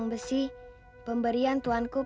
bergembira dengan kami